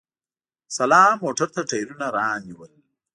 سلام موټر ته ټیرونه رانیول!